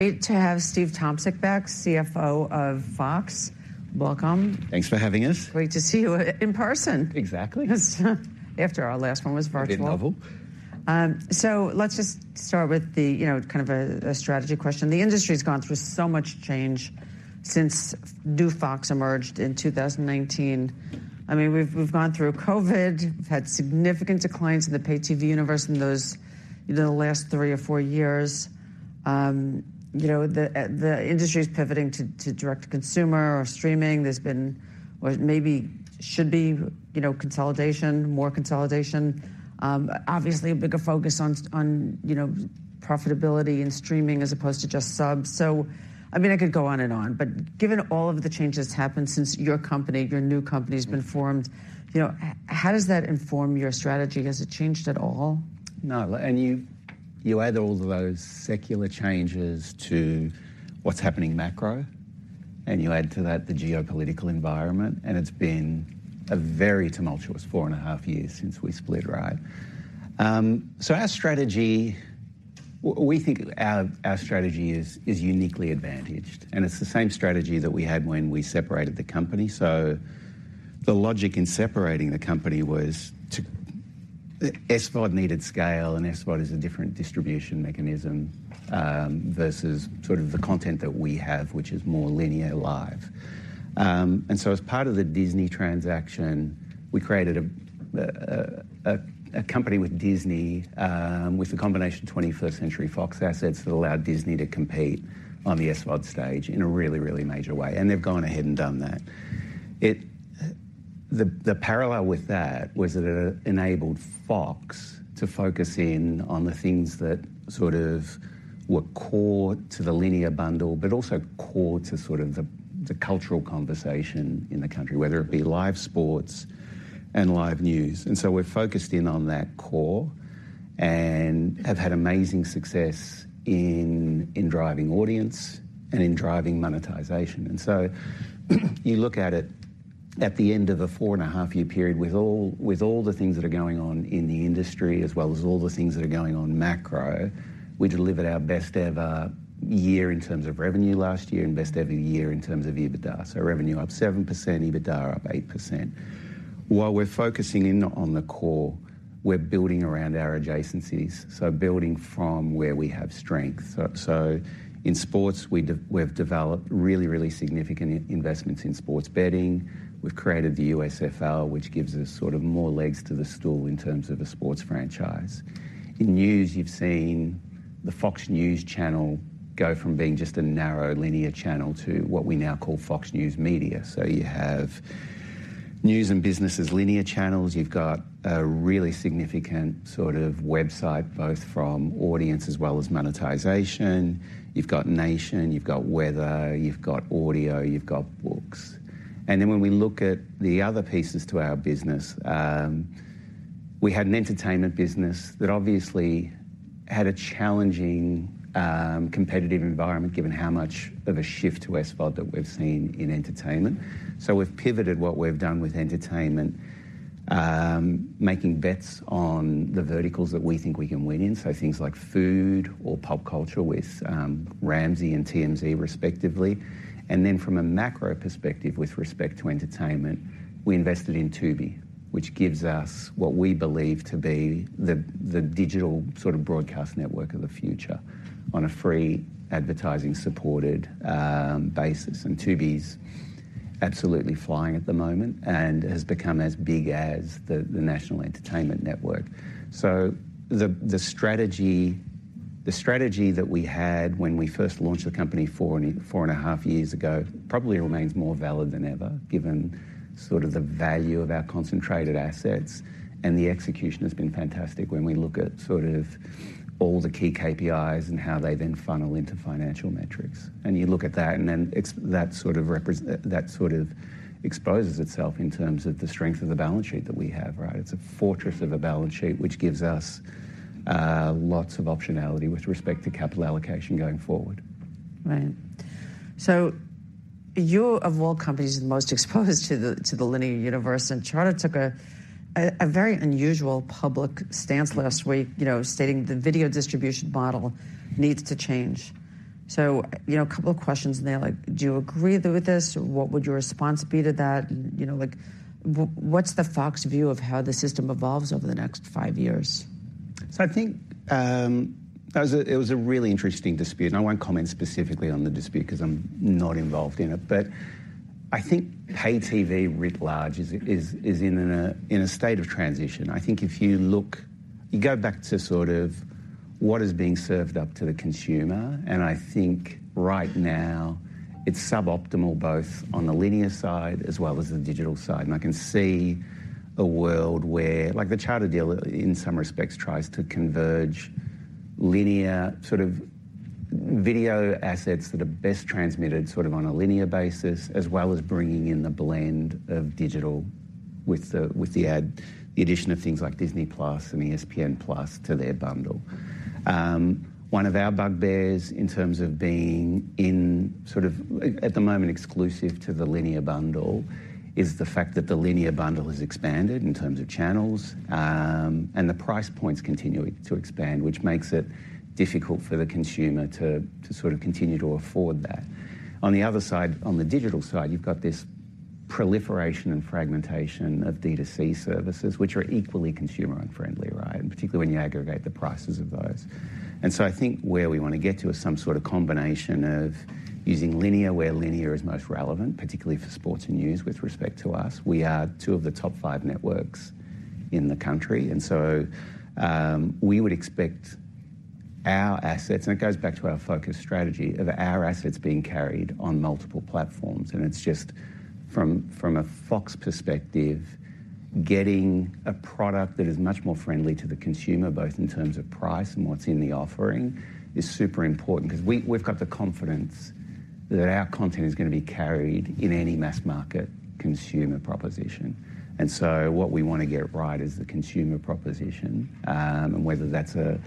Great to have Steve Tomsic back, CFO of Fox. Welcome. Thanks for having us. Great to see you in person! Exactly. After our last one which was virtual. Been novel. So let's just start with the kind of a strategy question. The industry's gone through so much change since New Fox emerged in 2019. I mean, we've gone through COVID, we've had significant declines in the pay-TV universe in those, the last three or four years. the industry's pivoting to direct-to-consumer or streaming. There's been, or maybe should be consolidation, more consolidation. Obviously a bigger focus on profitability and streaming, as opposed to just subs. So, I mean, I could go on and on, but given all of the changes that have happened since your new company was formed, how does that inform your strategy? Has it changed at all? No. And you, you add all of those secular changes to what's happening macro, and you add to that the geopolitical environment, and it's been a very tumultuous 4.5 years since we split, right? So our strategy, we think our strategy is uniquely advantaged, and it's the same strategy that we had when we separated the company. So the logic in separating the company was to SVOD needed scale, and SVOD is a different distribution mechanism, versus sort of the content that we have, which is more linear live. And so as part of the Disney transaction, we created a company with Disney, with the combination of 21st Century Fox assets that allowed Disney to compete on the SVOD stage in a really, really major way, and they've gone ahead and done that. The parallel with that was that it enabled Fox to focus in on the things that sort of were core to the linear bundle, but also core to sort of the cultural conversation in the country, whether it be live sports and live news. And so we're focused in on that core and have had amazing success in driving audience and in driving monetization. And so you look at it at the end of a 4.5-year period with all the things that are going on in the industry, as well as all the things that are going on macro, we delivered our best-ever year in terms of revenue last year and best-ever year in terms of EBITDA. So revenue up 7%, EBITDA up 8%. While we're focusing in on the core, we're building around our adjacencies, so building from where we have strength. So in sports, we've developed really, really significant investments in sports betting. We've created the USFL, which gives us sort of more legs to the stool in terms of a sports franchise. In news, you've seen the Fox News Channel go from being just a narrow linear channel to what we now call Fox News Media. So you have News and Business as linear channels. You've got a really significant sort of website, both from audience as well as monetization. You've got Nation, you've got Weather, you've got Audio, you've got Books. And then when we look at the other pieces to our business, we had an entertainment business that obviously had a challenging, competitive environment, given how much of a shift to SVOD that we've seen in entertainment. So we've pivoted what we've done with entertainment, making bets on the verticals that we think we can win in, so things like food or pop culture with Ramsay and TMZ, respectively. And then from a macro perspective, with respect to entertainment, we invested in Tubi, which gives us what we believe to be the digital sort of broadcast network of the future on a free, advertising-supported basis. And Tubi's absolutely flying at the moment and has become as big as the national entertainment network. So the strategy that we had when we first launched the company 4.5 years ago probably remains more valid than ever, given sort of the value of our concentrated assets, and the execution has been fantastic when we look at sort of all the key KPIs and how they then funnel into financial metrics. And you look at that, and then it's that sort of exposes itself in terms of the strength of the balance sheet that we have, right? It's a fortress of a balance sheet, which gives us lots of optionality with respect to capital allocation going forward. Right. So you, of all companies, are the most exposed to the, to the linear universe, and Charter took a very unusual public stance last week stating the video distribution model needs to change. so a couple of questions in there, like, do you agree with this, or what would your response be to that? like, what's the Fox view of how the system evolves over the next five years? So I think that was a really interesting dispute, and I won't comment specifically on the dispute 'cause I'm not involved in it. But I think pay TV, writ large, is in a state of transition. I think if you look. You go back to sort of what is being served up to the consumer, and I think right now it's suboptimal, both on the linear side as well as the digital side. And I can see a world where, like the Charter deal, in some respects, tries to converge linear sort of video assets that are best transmitted sort of on a linear basis, as well as bringing in the blend of digital with the addition of things like Disney+ and ESPN+ to their bundle. One of our bugbears in terms of being. In sort of, at the moment, exclusive to the linear bundle, is the fact that the linear bundle has expanded in terms of channels, and the price points continuing to expand, which makes it difficult for the consumer to sort of continue to afford that. On the other side, on the digital side, you've got this proliferation and fragmentation of D2C services, which are equally unfriendly to consumers, right? And particularly when you aggregate the prices of those. And so I think where we want to get to is some sort of combination of using linear, where linear is most relevant, particularly for sports and news. With respect to us, we are two of the top five networks in the country, and so, we would expect our assets - and it goes back to our focus strategy of our assets being carried on multiple platforms. It's just from a Fox perspective, getting a product that is much more friendly to the consumer, both in terms of price and what's in the offering, is super important, because we've got the confidence that our content is going to be carried in any mass market consumer proposition. So what we want to get right is the consumer proposition, and whether that's a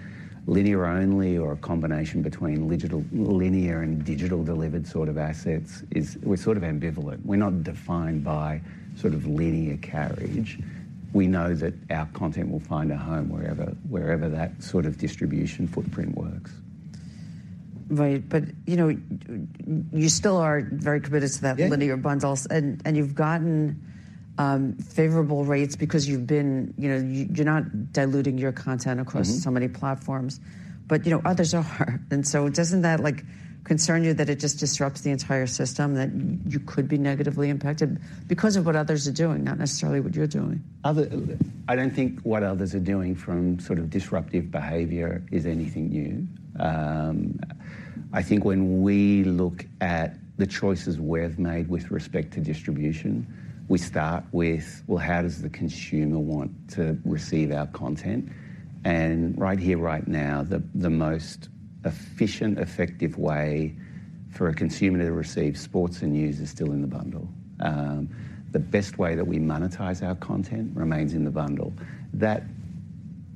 linear only or a combination between digital-linear and digital delivered sort of assets is we're sort of ambivalent. We're not defined by sort of linear carriage. We know that our content will find a home wherever that sort of distribution footprint works. Right. but you still are very committed to that Linear bundles, and you've gotten favorable rates because you've been you're not diluting your content. Across so many platforms, but others are. And so doesn't that, like, concern you, that it just disrupts the entire system, that you could be negatively impacted because of what others are doing, not necessarily what you're doing? I don't think what others are doing from sort of disruptive behavior is anything new. I think when we look at the choices we've made with respect to distribution, we start with, well, how does the consumer want to receive our content? And right here, right now, the most efficient, effective way for a consumer to receive sports and news is still in the bundle. The best way that we monetize our content remains in the bundle.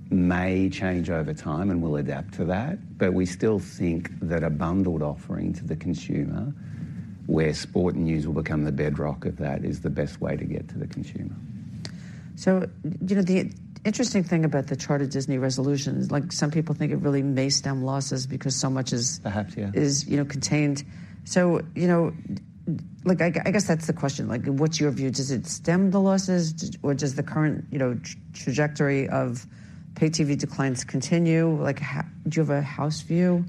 That may change over time, and we'll adapt to that. But we still think that a bundled offering to the consumer, where sport and news will become the bedrock of that, is the best way to get to the consumer. so the interesting thing about the Charter Disney resolution is, like, some people think it really may stem losses because so much is- Perhaps. Contained. so like, I guess that's the question. Like, what's your view? Does it stem the losses, or does the current trajectory of pay-TV declines continue? Like, how? Do you have a house view?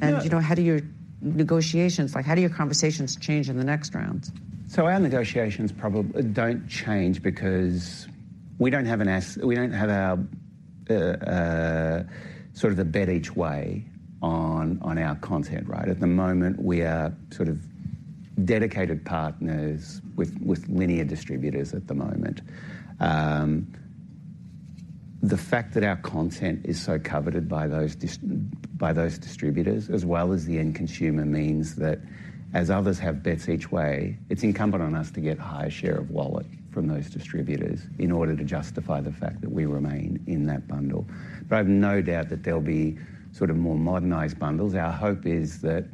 How do your negotiations. Like, how do your conversations change in the next round? So our negotiations probably don't change because we don't have sort of a bet each way on our content, right? At the moment, we are sort of dedicated partners with linear distributors at the moment. The fact that our content is so coveted by those distributors, as well as the end consumer, means that as others have bets each way, it's incumbent on us to get a higher share of wallet from those distributors in order to justify the fact that we remain in that bundle. But I've no doubt that there'll be sort of more modernized bundles. Our hope is that,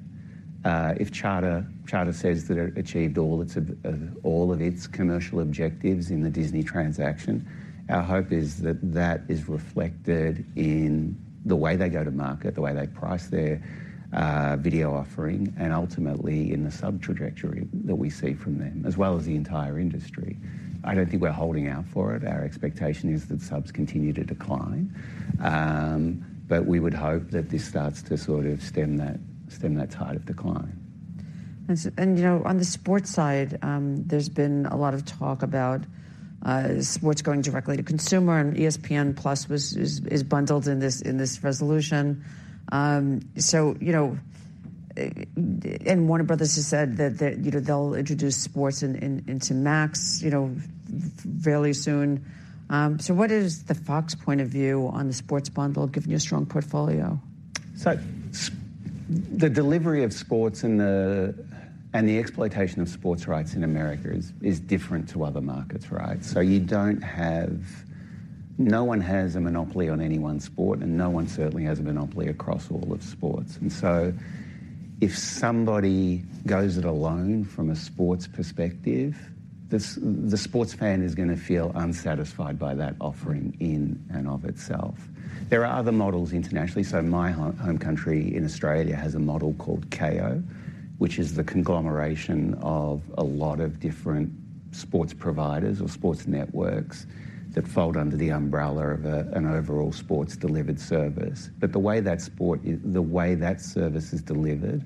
if Charter says that it achieved all of its commercial objectives in the Disney transaction, our hope is that that is reflected in the way they go to market, the way they price their video offering, and ultimately in the sub trajectory that we see from them, as well as the entire industry. I don't think we're holding out for it. Our expectation is that subs continue to decline. But we would hope that this starts to sort of stem that tide of decline. and on the sports side, there's been a lot of talk about sports going directly to consumer, and ESPN+ is bundled in this resolution. so and Warner Bros. has said that they'll introduce sports into Max very soon. So what is the Fox point of view on the sports bundle, given your strong portfolio? So the delivery of sports and the, and the exploitation of sports rights in America is different to other markets, right? So you don't have, No one has a monopoly on any one sport, and no one certainly has a monopoly across all of sports. And so if somebody goes it alone from a sports perspective, the sports fan is going to feel unsatisfied by that offering in and of itself. There are other models internationally. So my home country in Australia has a model called Kayo, which is the conglomeration of a lot of different sports providers or sports networks that fold under the umbrella of an overall sports-delivered service. But the way that sport is, the way that service is delivered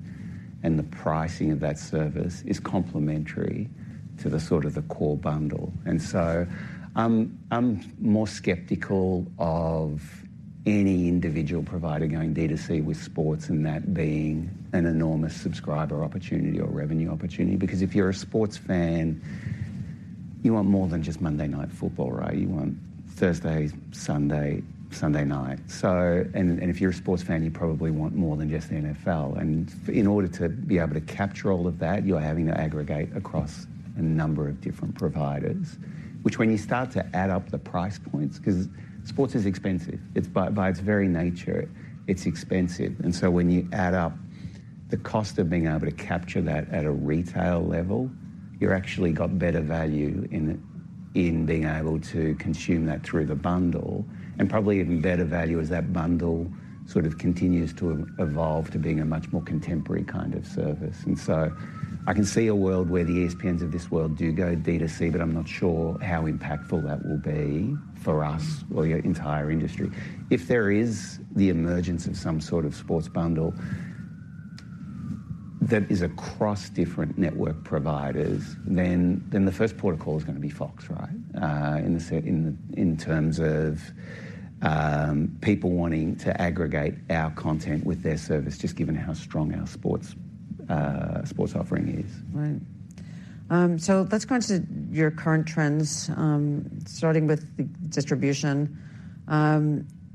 and the pricing of that service is complementary to the sort of the core bundle. And so I'm more skeptical of any individual provider going D2C with sports, and that being an enormous subscriber opportunity or revenue opportunity, because if you're a sports fan, you want more than just Monday Night Football, right? You want Thursday, Sunday, Sunday night. So and if you're a sports fan, you probably want more than just the NFL. And in order to be able to capture all of that, you're having to aggregate across a number of different providers, which when you start to add up the price points, 'cause sports is expensive. It's by its very nature, it's expensive. And so when you add up the cost of being able to capture that at a retail level. You're actually got better value in being able to consume that through the bundle, and probably even better value as that bundle sort of continues to evolve to being a much more contemporary kind of service. And so I can see a world where the ESPNs of this world do go D2C, but I'm not sure how impactful that will be for us or the entire industry. If there is the emergence of some sort of sports bundle that is across different network providers, then the first port of call is gonna be Fox, right? In the sense in terms of people wanting to aggregate our content with their service, just given how strong our sports offering is. Right. So let's go into your current trends, starting with the distribution.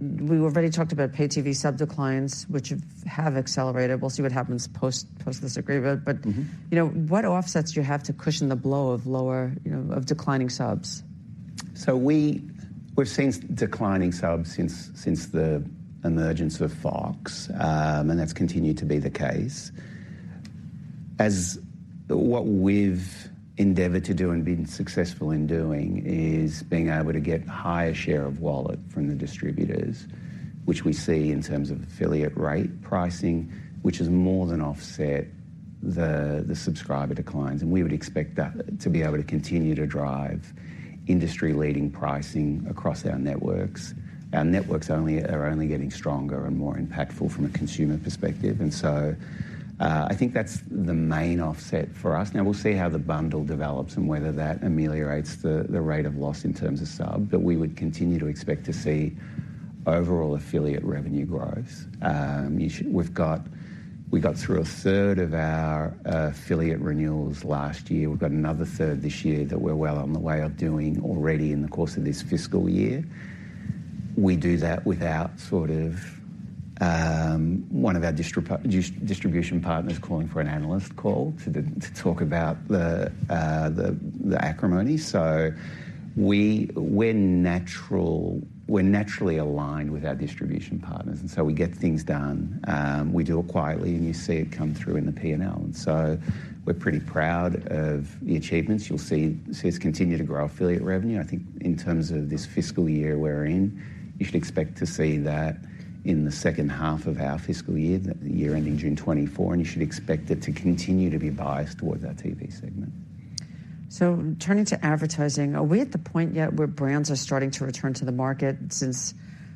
We already talked about pay TV sub declines, which have accelerated. We'll see what happens post this agreement. What offsets do you have to cushion the blow of lower of declining subs? So we're seeing declining subs since the emergence of Fox, and that's continued to be the case. What we've endeavored to do and been successful in doing is being able to get higher share of wallet from the distributors, which we see in terms of affiliate rate pricing, which has more than offset the subscriber declines, and we would expect that to be able to continue to drive industry-leading pricing across our networks. Our networks are only getting stronger and more impactful from a consumer perspective, and so I think that's the main offset for us. Now, we'll see how the bundle develops and whether that ameliorates the rate of loss in terms of subs, but we would continue to expect to see overall affiliate revenue growth. You should we've got through a third of our affiliate renewals last year. We've got another third this year that we're well on the way of doing already in the course of this fiscal year. We do that without sort of one of our distribution partners calling for an analyst call to talk about the acrimony. So we're naturally aligned with our distribution partners, and so we get things done. We do it quietly, and you see it come through in the P&L. And so we're pretty proud of the achievements. You'll see us continue to grow affiliate revenue. I think in terms of this fiscal year we're in, you should expect to see that in the second half of our fiscal year, the year ending June 2024, and you should expect it to continue to be biased towards our TV segment. So turning to advertising, are we at the point yet where brands are starting to return to the market, since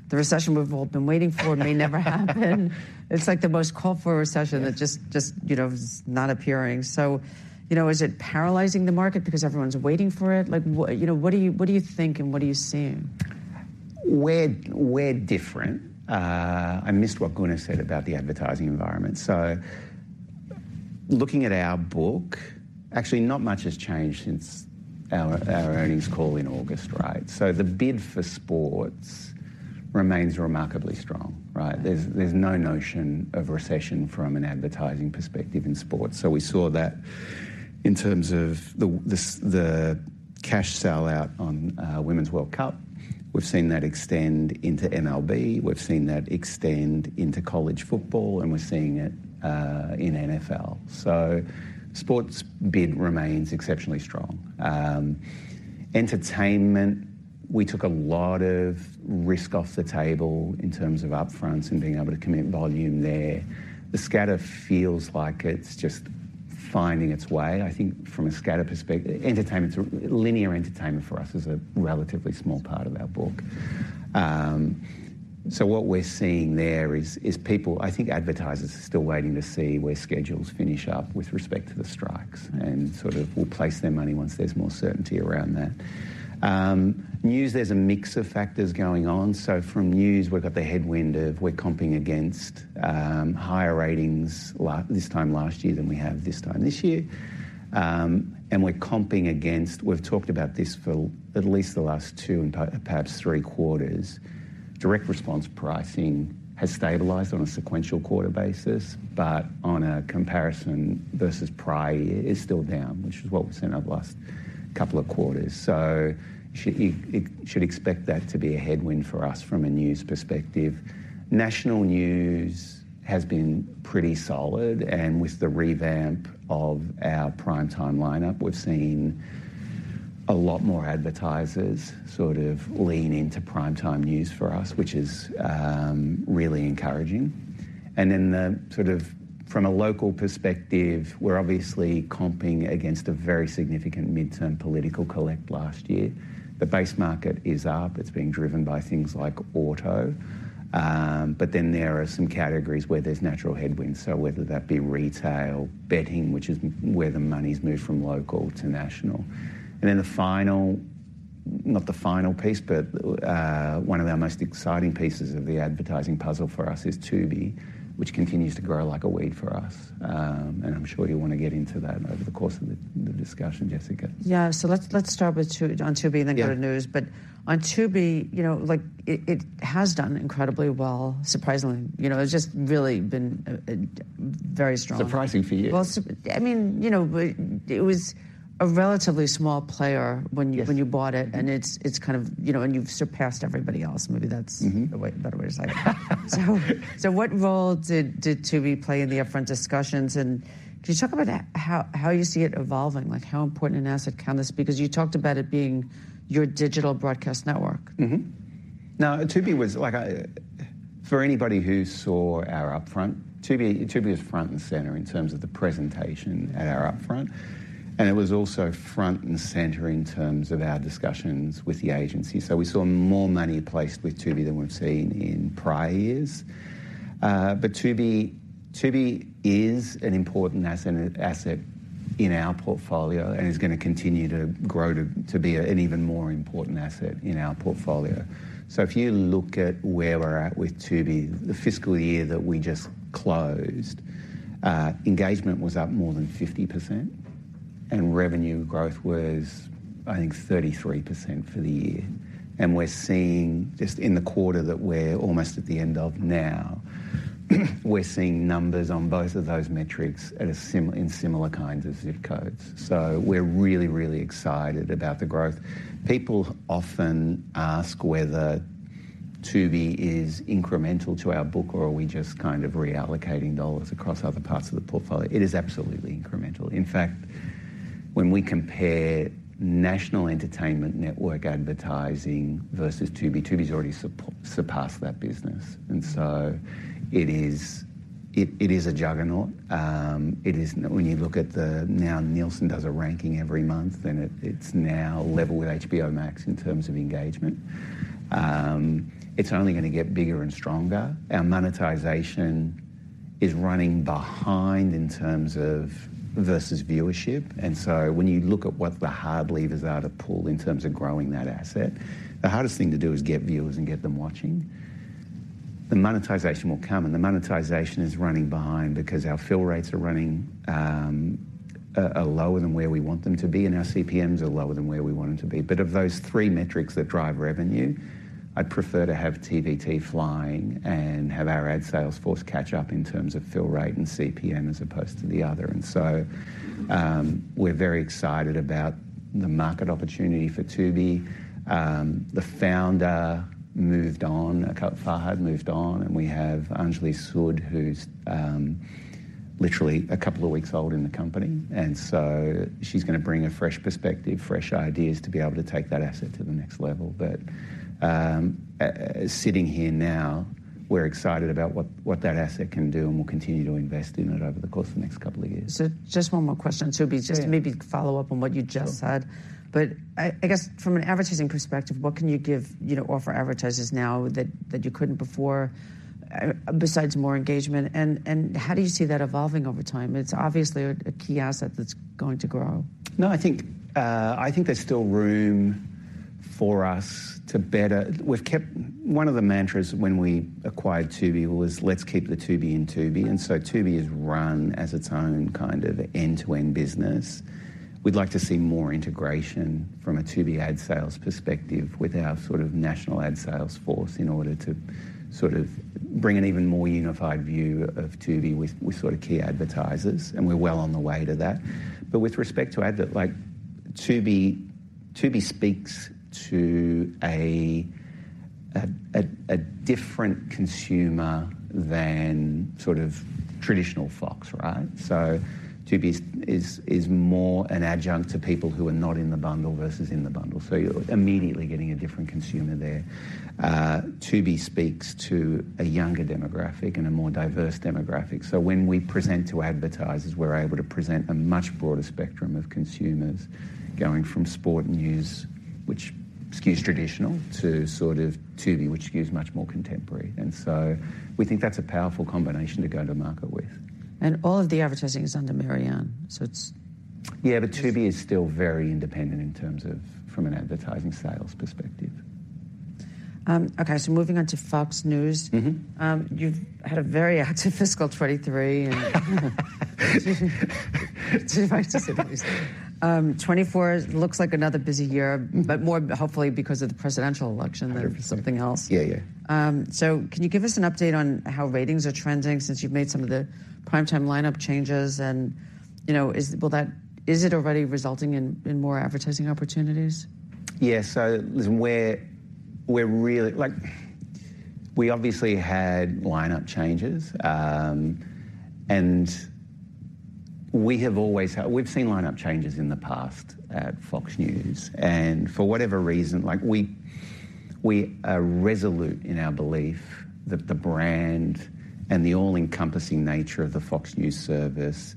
the recession we've all been waiting for, may never happen? It's like the most called for recession that just, just is not appearing. so is it paralyzing the market because everyone's waiting for it? Like, what what do you, what do you think, and what are you seeing? We're different. I missed what Gunnar said about the advertising environment. So looking at our book, actually, not much has changed since our earnings call in August, right? So the bid for sports remains remarkably strong, right? There's no notion of recession from an advertising perspective in sports. So we saw that in terms of the cash sellout on Women's World Cup. We've seen that extend into MLB, we've seen that extend into college football, and we're seeing it in NFL. So sports bid remains exceptionally strong. Entertainment, we took a lot of risk off the table in terms of upfronts and being able to commit volume there. The scatter feels like it's just finding its way. I think from a scatter perspective, entertainment's linear entertainment for us is a relatively small part of our book. So what we're seeing there is people I think advertisers are still waiting to see where schedules finish up with respect to the strikes, and sort of will place their money once there's more certainty around that. News, there's a mix of factors going on. So from news, we've got the headwind of we're comping against higher ratings this time last year than we have this time this year. And we're comping against. We talked about this for at least the last two and perhaps three quarters. Direct response pricing has stabilized on a sequential quarter basis, but on a comparison versus prior year, is still down, which is what we've seen over the last couple of quarters. So you should expect that to be a headwind for us from a news perspective. National news has been pretty solid, and with the revamp of our prime time lineup, we've seen a lot more advertisers sort of lean into prime time news for us, which is really encouraging. And then the, sort of from a local perspective, we're obviously comping against a very significant midterm political collect last year. The base market is up. It's being driven by things like auto, but then there are some categories where there's natural headwinds, so whether that be retail, betting, which is where the money's moved from local to national. And then the final, not the final piece, but one of our most exciting pieces of the advertising puzzle for us is Tubi, which continues to grow like a weed for us. And I'm sure you want to get into that over the course of the discussion, Jessica. So let's start with Tubi, on Tubi- Then go to news. But on tubi like, it, it has done incredibly well, surprisingly. it's just really been very strong. Surprising for you. Well, I mean it was a relatively small player when you- Yes when you bought it, and it's, it's kind of and you've surpassed everybody else. Maybe that's- Mm-hmm A better way to say it. So, what role did Tubi play in the upfront discussions? And can you talk about how you see it evolving? Like, how important an asset can this be. Because you talked about it being your digital broadcast network. Mm-hmm. No, Tubi was like, for anybody who saw our Upfront, Tubi, Tubi was front and center in terms of the presentation at our Upfront, and it was also front and center in terms of our discussions with the agency. So we saw more money placed with Tubi than we've seen in prior years. But Tubi, Tubi is an important asset in our portfolio and is gonna continue to grow to be an even more important asset in our portfolio. So if you look at where we're at with Tubi, the fiscal year that we just closed, engagement was up more than 50%, and revenue growth was, I think, 33% for the year. And we're seeing, just in the quarter that we're almost at the end of now, we're seeing numbers on both of those metrics in similar kinds of zip codes. So we're really, really excited about the growth. People often ask whether Tubi is incremental to our book or are we just kind of reallocating dollars across other parts of the portfolio? It is absolutely incremental. In fact, when we compare national entertainment network advertising versus Tubi, Tubi's already surpassed that business, and so it is, it, it is a juggernaut. It is. When you look at the now, Nielsen does a ranking every month, and it, it's now level with HBO Max in terms of engagement. It's only gonna get bigger and stronger. Our monetization is running behind in terms of versus viewership, and so when you look at what the hard levers are to pull in terms of growing that asset, the hardest thing to do is get viewers and get them watching. The monetization will come, and the monetization is running behind because our fill rates are running lower than where we want them to be, and our CPMs are lower than where we want them to be. But of those three metrics that drive revenue, I'd prefer to have TVT flying and have our ad sales force catch up in terms of fill rate and CPM as opposed to the other. And so, we're very excited about the market opportunity for Tubi. The founder moved on. Farhad moved on, and we have Anjali Sud, who's literally a couple of weeks old in the company, and so she's gonna bring a fresh perspective, fresh ideas, to be able to take that asset to the next level. But sitting here now, we're excited about what that asset can do, and we'll continue to invest in it over the course of the next couple of years. Just one more question. Tubi. Sure. Just maybe follow up on what you just said. Sure. But I guess from an advertising perspective, what can you offer advertisers now that you couldn't before, besides more engagement? And how do you see that evolving over time? It's obviously a key asset that's going to grow. No, I think there's still room for us to better. We've kept. One of the mantras when we acquired Tubi was, "Let's keep the Tubi in Tubi," and so Tubi is run as its own kind of end-to-end business. We'd like to see more integration from a Tubi ad sales perspective with our sort of national ad sales force, in order to sort of bring an even more unified view of Tubi with sort of key advertisers, and we're well on the way to that. But with respect to advert, like, Tubi speaks to a different consumer than sort of traditional Fox, right? So Tubi is more an adjunct to people who are not in the bundle versus in the bundle, so you're immediately getting a different consumer there. Tubi speaks to a younger demographic and a more diverse demographic. So when we present to advertisers, we're able to present a much broader spectrum of consumers, going from sport and news, which skews traditional, to sort of Tubi, which skews much more contemporary. And so we think that's a powerful combination to go to market with. All of the advertising is under Marianne, so it's- But Tubi is still very independent in terms of from an advertising sales perspective. Okay, so moving on to Fox News. Mm-hmm. You've had a very active fiscal 2023, and 2024 looks like another busy year, but more hopefully because of the presidential election. Hundred percent Than something else. So, can you give us an update on how ratings are trending since you've made some of the primetime lineup changes? and is it already resulting in more advertising opportunities? So listen, we're really Like, we obviously had lineup changes. And we have always had. We've seen lineup changes in the past at Fox News, and for whatever reason, like, we are resolute in our belief that the brand and the all-encompassing nature of the Fox News service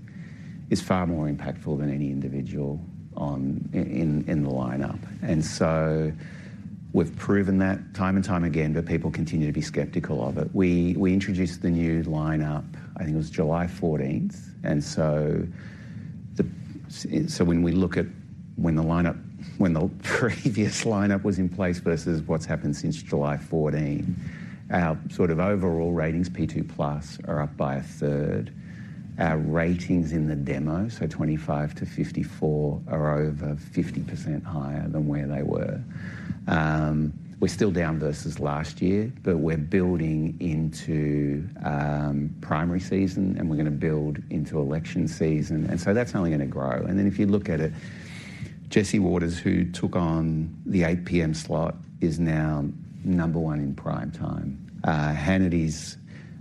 is far more impactful than any individual on in the lineup. And so we've proven that time and time again, but people continue to be skeptical of it. We introduced the new lineup, I think it was July fourteenth, and so when we look at when the previous lineup was in place versus what's happened since July fourteen, our sort of overall ratings, P2+, are up by a third. Our ratings in the demo, so 25-54, are over 50% higher than where they were. We're still down versus last year, but we're building into primary season, and we're gonna build into election season, and so that's only gonna grow. And then if you look at it, Jesse Watters, who took on the 8 P.M. slot, is now number one in prime time. Hannity's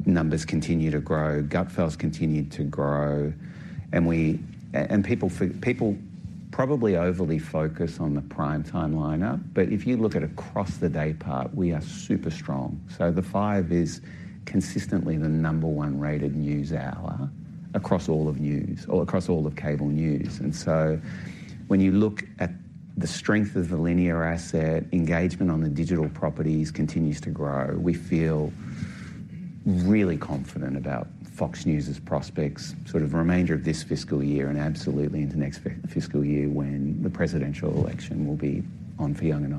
numbers continue to grow. Gutfeld's continued to grow, and people probably overly focused on the prime-time lineup, but if you look at across the day part, we are super strong. So The Five is consistently the number one-rated news hour across all of news, or across all of cable news. And so when you look at the strength of the linear asset, engagement on the digital properties continues to grow. We feel really confident about Fox News's prospects, sort of the remainder of this fiscal year and absolutely into next fiscal year when the presidential election will be on for young and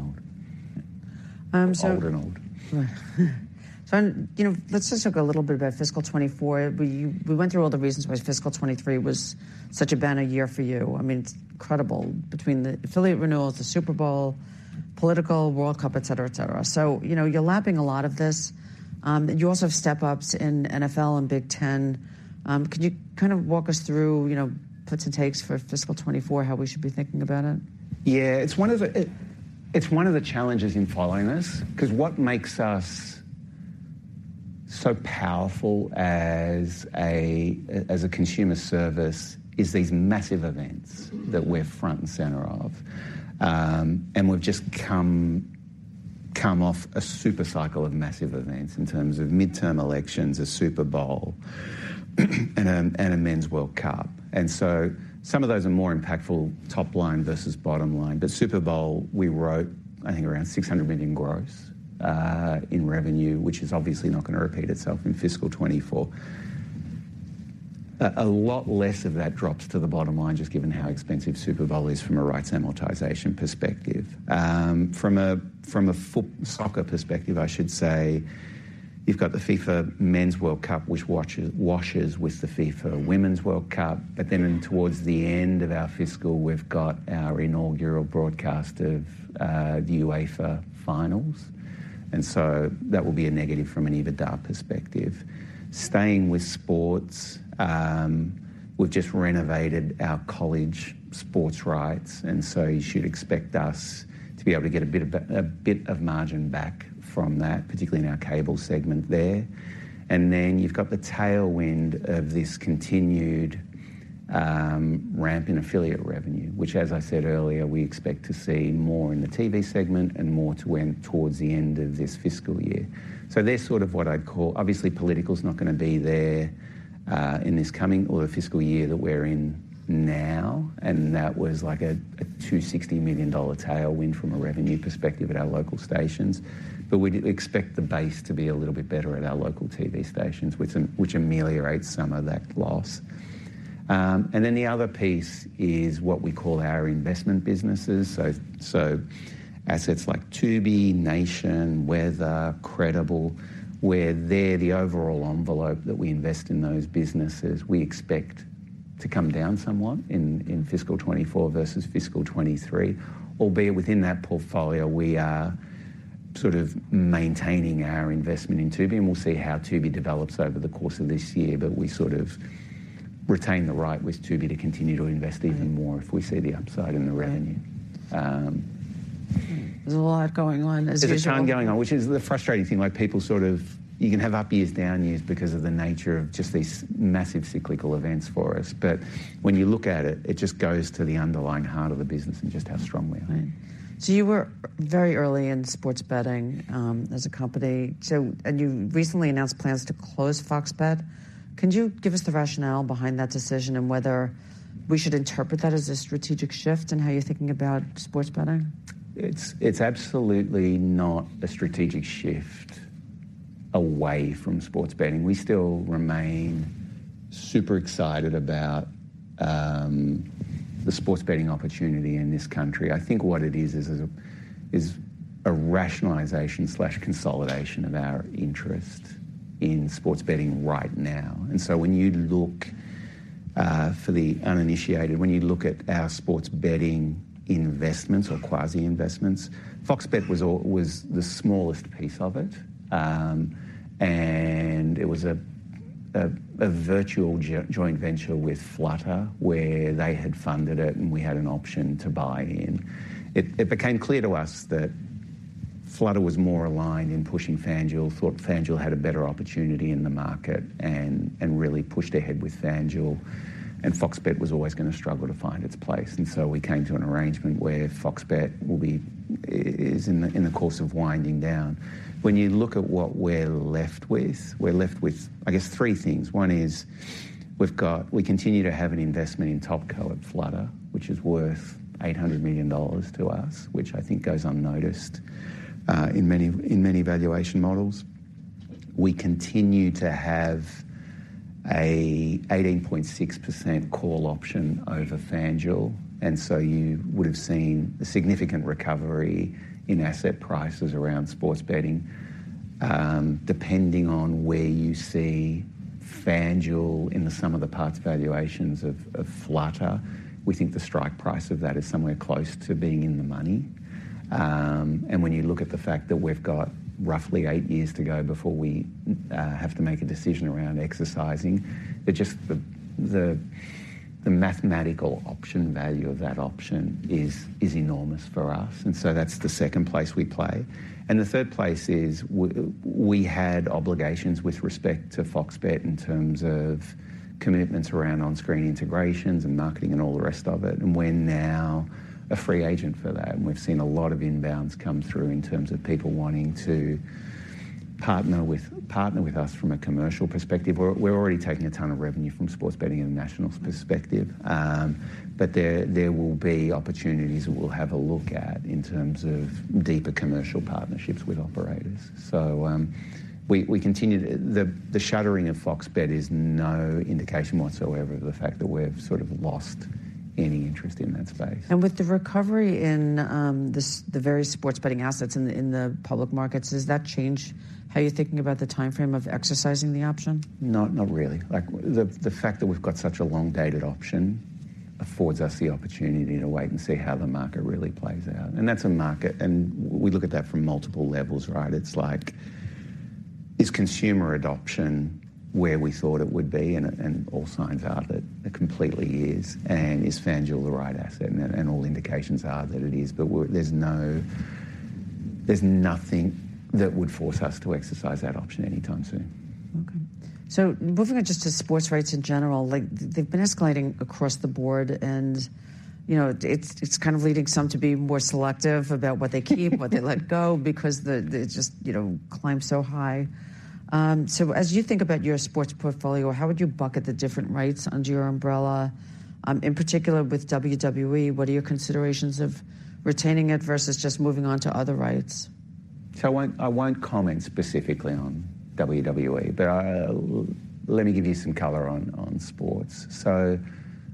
old. So. Old and old. Right. so let's just talk a little bit about fiscal 2024. We went through all the reasons why fiscal 2023 was such a banner year for you. I mean, it's incredible, between the affiliate renewals, the Super Bowl, political, World Cup, et cetera, et cetera. so you're lapping a lot of this. You also have step-ups in NFL and Big Ten. Could you kind of walk us through puts and takes for fiscal 2024, how we should be thinking about it? It's one of the challenges in following us, 'cause what makes us so powerful as a consumer service is these massive events that we're front and center of. And we've just come off a super cycle of massive events in terms of midterm elections, a Super Bowl, and a Men's World Cup. And so some of those are more impactful top line versus bottom line. But Super Bowl, we wrote, I think, around $600 million gross in revenue, which is obviously not going to repeat itself in fiscal 2024. A lot less of that drops to the bottom line, just given how expensive Super Bowl is from a rights amortization perspective. From a football-soccer perspective, I should say, you've got the FIFA Men's World Cup, which washes with the FIFA Women's World Cup. But then towards the end of our fiscal, we've got our inaugural broadcast of the UEFA finals, and so that will be a negative from an EBITDA perspective. Staying with sports, we've just renovated our college sports rights, and so you should expect us to be able to get a bit of margin back from that, particularly in our cable segment there. And then you've got the tailwind of this continued ramp in affiliate revenue, which, as I said earlier, we expect to see more in the TV segment and more to when, towards the end of this fiscal year. So they're sort of what I'd call—obviously, political's not going to be there in this coming or the fiscal year that we're in now, and that was like a $260 million tailwind from a revenue perspective at our local stations. But we do expect the base to be a little bit better at our local TV stations, which ameliorates some of that loss. And then the other piece is what we call our investment businesses. So assets like Tubi, Nation, Weather, Credible, where there the overall envelope that we invest in those businesses, we expect to come down somewhat in fiscal 2024 versus fiscal 2023. Albeit within that portfolio, we are sort of maintaining our investment in Tubi, and we'll see how Tubi develops over the course of this year. But we sort of retain the right with Tubi to continue to invest even more- Right if we see the upside in the revenue. There's a lot going on, as usual. There's a ton going on, which is the frustrating thing. Like, people sort of—you can have up years, down years because of the nature of just these massive cyclical events for us. But when you look at it, it just goes to the underlying heart of the business and just how strong we are. So you were very early in sports betting, as a company, and you've recently announced plans to close Fox Bet. Can you give us the rationale behind that decision and whether we should interpret that as a strategic shift in how you're thinking about sports betting? It's absolutely not a strategic shift away from sports betting. We still remain super excited about the sports betting opportunity in this country. I think what it is, is a rationalization/consolidation of our interest in sports betting right now. And so when you look, for the uninitiated, when you look at our sports betting investments or quasi investments, Fox Bet was the smallest piece of it. And it was a virtual joint venture with Flutter, where they had funded it, and we had an option to buy in. It became clear to us that Flutter was more aligned in pushing FanDuel, thought FanDuel had a better opportunity in the market and really pushed ahead with FanDuel, and Fox Bet was always going to struggle to find its place. And so we came to an arrangement where Fox Bet will be is in, in the course of winding down. When you look at what we're left with, we're left with, I guess, three things. One is we've got-- we continue to have an investment in Topco at Flutter, which is worth $800 million to us, which I think goes unnoticed, in many, in many valuation models. We continue to have an 18.6% call option over FanDuel, and so you would have seen a significant recovery in asset prices around sports betting. Depending on where you see FanDuel in the sum of the parts valuations of, of Flutter, we think the strike price of that is somewhere close to being in the money. And when you look at the fact that we've got roughly 8 years to go before we have to make a decision around exercising the mathematical option value of that option is enormous for us, and so that's the second place we play. And the third place is we had obligations with respect to Fox Bet in terms of commitments around on-screen integrations and marketing and all the rest of it, and we're now a free agent for that. And we've seen a lot of inbounds come through in terms of people wanting to partner with us from a commercial perspective. We're already taking a ton of revenue from sports betting in a nationals perspective, but there will be opportunities that we'll have a look at in terms of deeper commercial partnerships with operators. So, the shuttering of Fox Bet is no indication whatsoever of the fact that we've sort of lost any interest in that space. With the recovery in the various sports betting assets in the public markets, does that change how you're thinking about the timeframe of exercising the option? Not, not really. Like, the fact that we've got such a long-dated option affords us the opportunity to wait and see how the market really plays out. And that's a market, and we look at that from multiple levels, right? It's like, is consumer adoption where we thought it would be? And all signs are that it completely is. And is FanDuel the right asset? And all indications are that it is. But there's no, there's nothing that would force us to exercise that option anytime soon. Okay. So moving on just to sports rights in general, like, they've been escalating across the board, and it's kind of leading some to be more selective about what they keep, what they let go, because it's just climbed so high. So as you think about your sports portfolio, how would you bucket the different rights under your umbrella, in particular with WWE? What are your considerations of retaining it versus just moving on to other rights? So I won't, I won't comment specifically on WWE, but let me give you some color on, on sports. So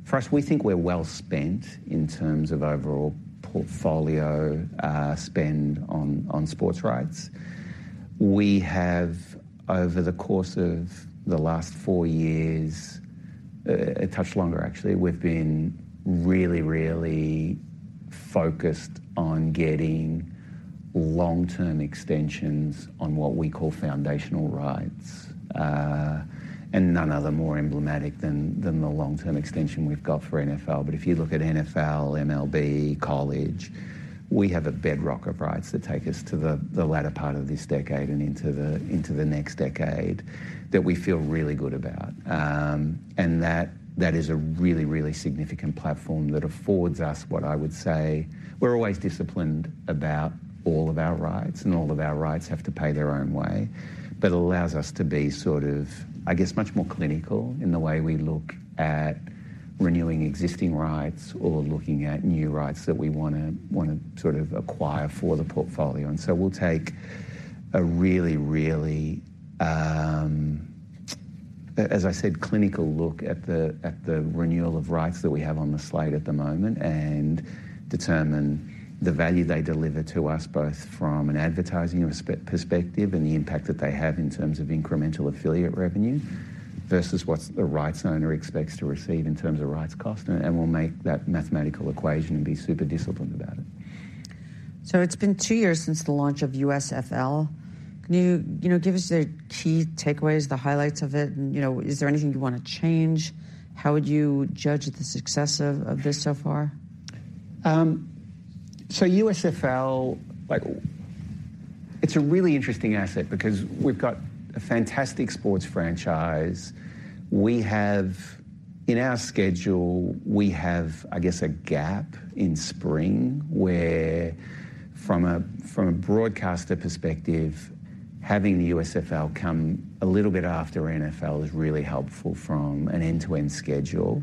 first, we think we're well spent in terms of overall portfolio, spend on, on sports rights. We have, over the course of the last four years, a touch longer, actually, we've been really, really focused on getting long-term extensions on what we call foundational rights. And none other more emblematic than, than the long-term extension we've got for NFL. But if you look at NFL, MLB, college, we have a bedrock of rights that take us to the, the latter part of this decade and into the, into the next decade, that we feel really good about. And that, that is a really, really significant platform that affords us, what I would say. We're always disciplined about all of our rights, and all of our rights have to pay their own way. But it allows us to be sort of, I guess, much more clinical in the way we look at renewing existing rights or looking at new rights that we wanna sort of acquire for the portfolio. And so we'll take a really, really, as I said, clinical look at the renewal of rights that we have on the slate at the moment, and determine the value they deliver to us, both from an advertising perspective, and the impact that they have in terms of incremental affiliate revenue, versus what the rights owner expects to receive in terms of rights cost. And we'll make that mathematical equation and be super disciplined about it. So it's been two years since the launch of USFL. Can you give us the key takeaways, the highlights of it, and is there anything you want to change? How would you judge the success of this so far? So USFL, like, it's a really interesting asset because we've got a fantastic sports franchise. We have in our schedule, I guess, a gap in spring, where from a broadcaster perspective, having the USFL come a little bit after NFL is really helpful from an end-to-end schedule.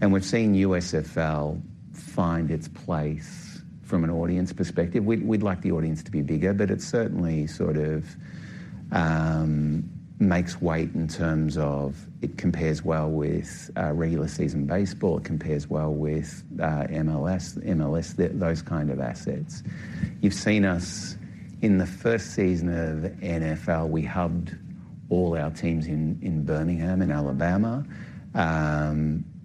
And we've seen USFL find its place from an audience perspective. We'd like the audience to be bigger, but it certainly sort of makes weight in terms of it compares well with regular season baseball, it compares well with MLS, those kind of assets. You've seen us. In the first season of NFL, we hubbed all our teams in Birmingham, in Alabama.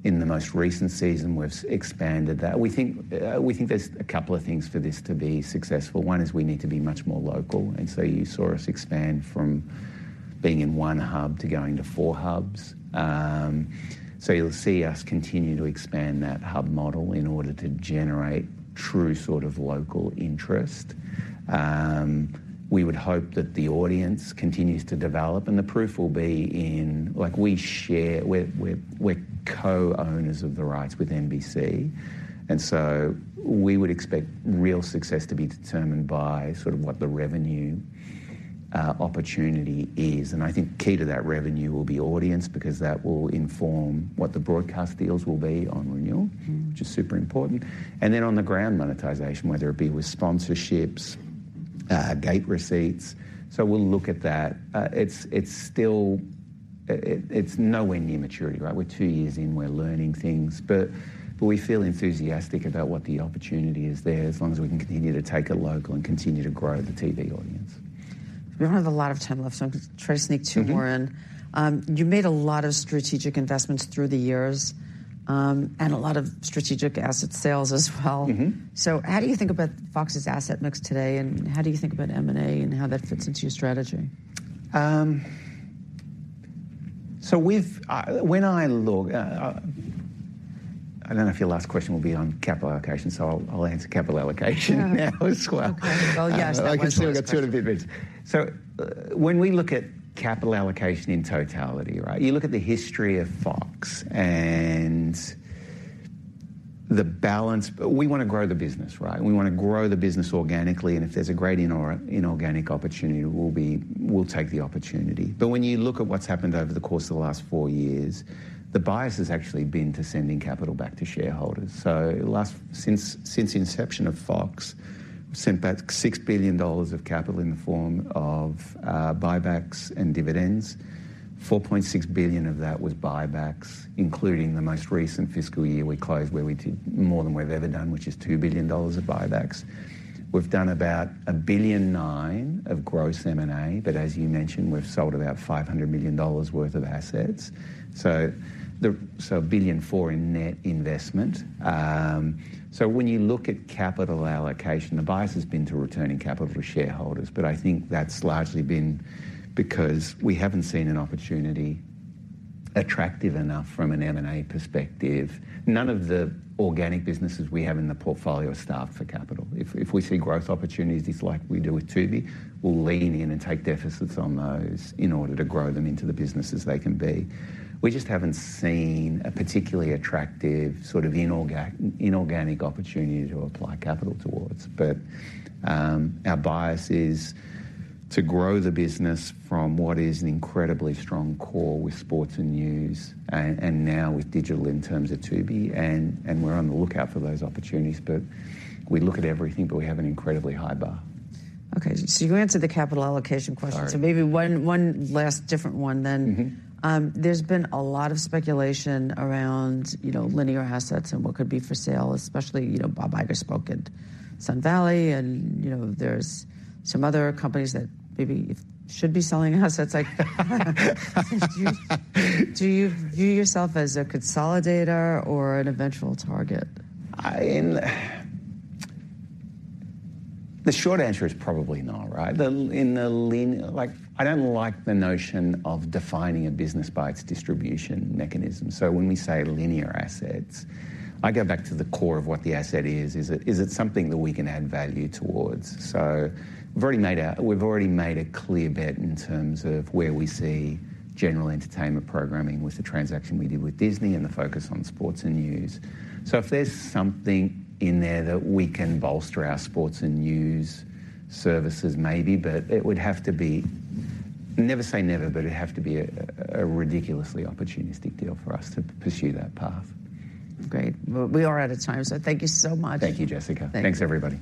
In the most recent season, we've expanded that. We think there's a couple of things for this to be successful. One is we need to be much more local, and so you saw us expand from being in one hub to going to four hubs. So you'll see us continue to expand that hub model in order to generate true sort of local interest. We would hope that the audience continues to develop, and the proof will be in, Like, we're co-owners of the rights with NBC, and so we would expect real success to be determined by sort of what the revenue opportunity is. And I think key to that revenue will be audience, because that will inform what the broadcast deals will be on renewal- Mm-hmm. - which is super important. And then on the ground monetization, whether it be with sponsorships, gate receipts, so we'll look at that. It's still, it's nowhere near maturity, right? We're two years in, we're learning things, but we feel enthusiastic about what the opportunity is there, as long as we can continue to take it local and continue to grow the TV audience. We don't have a lot of time left, so I'm going to try to sneak two more in. Mm-hmm. You made a lot of strategic investments through the years, and a lot of strategic asset sales as well. Mm-hmm. How do you think about Fox's asset mix today, and how do you think about M&A and how that fits into your strategy? So, when I look, I don't know if your last question will be on capital allocation, so I'll, I'll answer capital allocation now. Okay. Well, yes, that was my last question. I can see I've got two different bits. So when we look at capital allocation in totality, right? You look at the history of Fox and the balance. We want to grow the business, right? We want to grow the business organically, and if there's a great inorganic opportunity, we'll take the opportunity. But when you look at what's happened over the course of the last 4 years, the bias has actually been to sending capital back to shareholders. So since the inception of Fox, we've sent back $6 billion of capital in the form of buybacks and dividends. $4.6 billion of that was buybacks, including the most recent fiscal year we closed, where we did more than we've ever done, which is $2 billion of buybacks. We've done about $1.9 billion of gross M&A, but as you mentioned, we've sold about $500 million worth of assets. So a billion four in net investment. So when you look at capital allocation, the bias has been to returning capital to shareholders, but I think that's largely been because we haven't seen an opportunity attractive enough from an M&A perspective. None of the organic businesses we have in the portfolio are staffed for capital. If we see growth opportunities, it's like we do with Tubi, we'll lean in and take deficits on those in order to grow them into the businesses they can be. We just haven't seen a particularly attractive sort of inorganic opportunity to apply capital towards. But, our bias is to grow the business from what is an incredibly strong core with sports and news, and now with digital in terms of Tubi, and we're on the lookout for those opportunities, but we look at everything, but we have an incredibly high bar. Okay, so you answered the capital allocation question. Sorry. Maybe one last different one then. Mm-hmm. There's been a lot of speculation around linear assets and what could be for sale, especially Bob Iger spoke at Sun Valley and there's some other companies that maybe should be selling assets. Do you, do you view yourself as a consolidator or an eventual target? The short answer is probably not, right? Like, I don't like the notion of defining a business by its distribution mechanism. So when we say linear assets, I go back to the core of what the asset is. Is it, is it something that we can add value towards? So we've already made a clear bet in terms of where we see general entertainment programming with the transaction we did with Disney and the focus on sports and news. So if there's something in there that we can bolster our sports and news services, maybe, but it would have to be, never say never, but it'd have to be a ridiculously opportunistic deal for us to pursue that path. Great. Well, we are out of time, so thank you so much. Thank you, Jessica. Thank you. Thanks, everybody.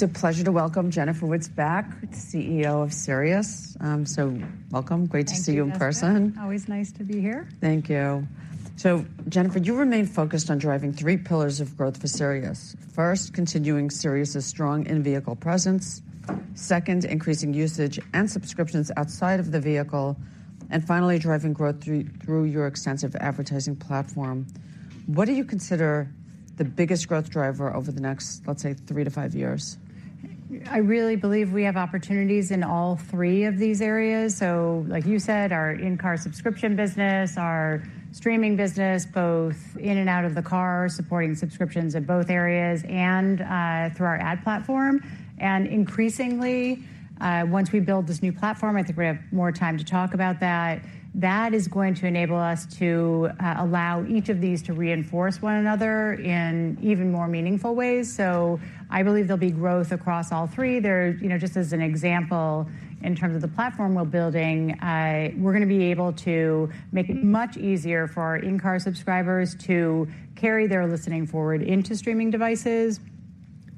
It's a pleasure to welcome Jennifer Witz back, the CEO of SiriusXM. So welcome. Great to see you in person. Thank you, Jessica. Always nice to be here. Thank you. So Jennifer, you remain focused on driving three pillars of growth for Sirius. First, continuing Sirius's strong in-vehicle presence, second, increasing usage and subscriptions outside of the vehicle, and finally, driving growth through your extensive advertising platform. What do you consider the biggest growth driver over the next, let's say, three to five years? I really believe we have opportunities in all three of these areas. So like you said, our in-car subscription business, our streaming business, both in and out of the car, supporting subscriptions in both areas and through our ad platform. And increasingly, once we build this new platform, I think we have more time to talk about that. That is going to enable us to allow each of these to reinforce one another in even more meaningful ways. So I believe there'll be growth across all three. just as an example, in terms of the platform we're building, we're going to be able to make it much easier for our in-car subscribers to carry their listening forward into streaming devices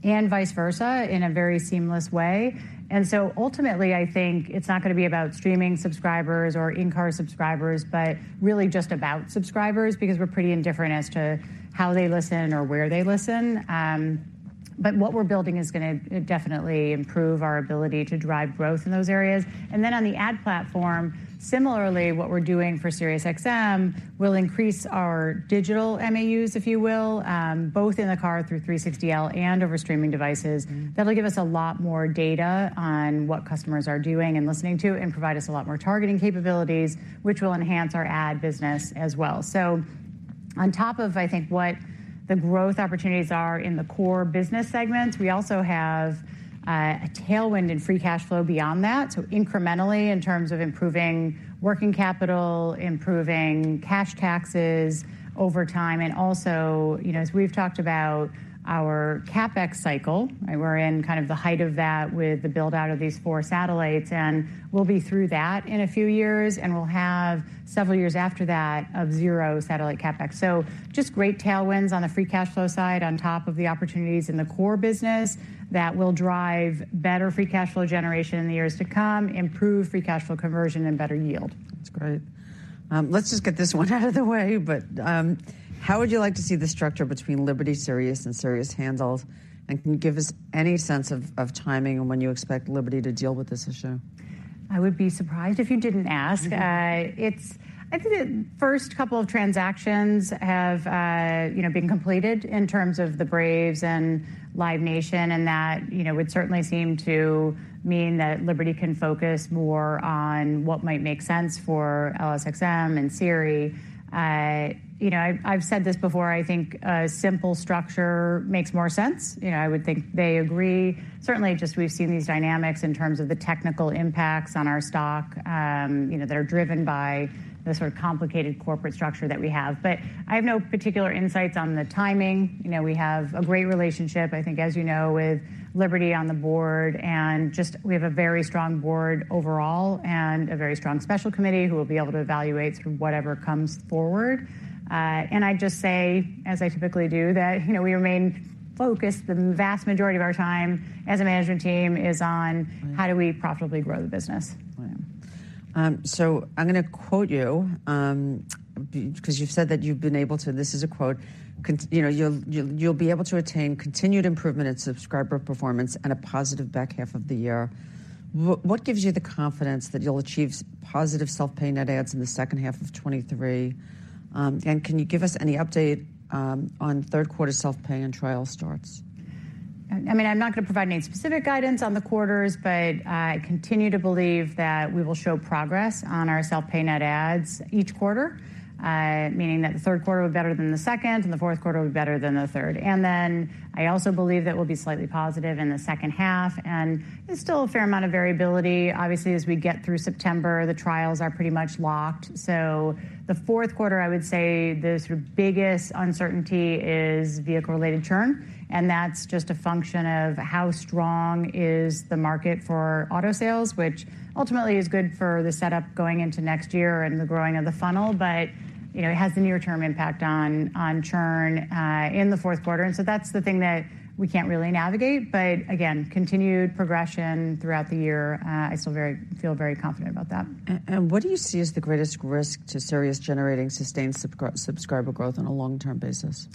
and vice versa, in a very seamless way. Ultimately, I think it's not gonna be about streaming subscribers or in-car subscribers, but really just about subscribers, because we're pretty indifferent as to how they listen or where they listen. But what we're building is gonna definitely improve our ability to drive growth in those areas. Then on the ad platform, similarly, what we're doing for SiriusXM will increase our digital MAUs, if you will, both in the car through 360L and over streaming devices. That will give us more data on what customers are doing and what they are listening to. Provide us a lot more targeting capabilities, which will enhance our ad business as well. So on top of, I think, what the growth opportunities are in the core business segments, we also have a tailwind in free cash flow beyond that. So incrementally, in terms of improving working capital, improving cash taxes over time, and also as we've talked about our CapEx cycle, and we're in kind of the height of that with the build-out of these four satellites, and we'll be through that in a few years, and we'll have several years after that of zero satellite CapEx. So just great tailwinds on the free cash flow side, on top of the opportunities in the core business that will drive better free cash flow generation in the years to come, improve free cash flow conversion, and better yield. That's great. Let's just get this one out of the way, but, how would you like to see the structure between Liberty Sirius and Sirius handles? And can you give us any sense of, of timing on when you expect Liberty to deal with this issue? I would be surprised if you didn't ask. Mm-hmm. It's I think the first couple of transactions have been completed in terms of the Braves and Live Nation, and that would certainly seem to mean that Liberty can focus more on what might make sense for LSXM and Sirius. I've said this before, I think a simple structure makes more sense. I would think they agree. Certainly, just we've seen these dynamics in terms of the technical impacts on our stock that are driven by the sort of complicated corporate structure that we have. But I have no particular insights on the timing. we have a great relationship, I think, as with Liberty on the board, and just we have a very strong board overall and a very strong special committee who will be able to evaluate whatever comes forward. I'd just say, as I typically do, that we remain focused. The vast majority of our time as a management team is on- Right. How do we profitably grow the business? So I'm gonna quote you, because you've said that you've been able to. This is a quote: "Con you'll be able to attain continued improvement in subscriber performance and a positive back half of the year." What gives you the confidence that you'll achieve positive self-pay net adds in the second half of 2023? And can you give us any update on Q3 self-pay and trial starts? I mean, I'm not going to provide any specific guidance on the quarters, but I continue to believe that we will show progress on our self-pay net adds each quarter. Meaning that the Q3 will be better than the second, and the Q4 will be better than the third. And then I also believe that we'll be slightly positive in the second half, and there's still a fair amount of variability. Obviously, as we get through September, the trials are pretty much locked. So the Q4, I would say, the sort of biggest uncertainty is vehicle-related churn, and that's just a function of how strong is the market for auto sales, which ultimately is good for the setup going into next year and the growing of the funnel. but it has the near-term impact on, on churn, in the Q4. That's the thing that we can't really navigate. But again, continued progression throughout the year, I still feel very confident about that. And what do you see as the greatest risk to Sirius generating sustained subscriber growth on a long-term basis?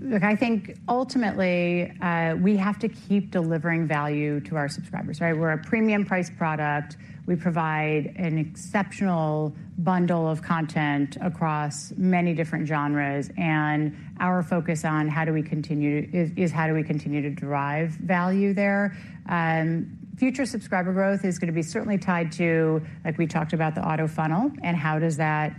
Look, I think ultimately, we have to keep delivering value to our subscribers, right? We're a premium price product. We provide an exceptional bundle of content across many different genres, and our focus on how do we continue is how do we continue to drive value there. Future subscriber growth is going to be certainly tied to, like we talked about, the auto funnel and how does that